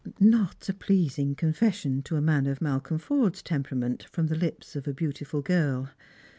Not a pleasing confession to a man of Malcolm Forde's tem perament from the lij^s of a beautiful girl.